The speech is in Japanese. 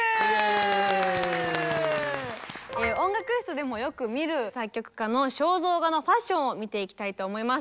音楽室でもよく見る作曲家の肖像画のファッションを見ていきたいと思います。